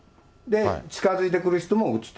近づいてくる人も撃つと。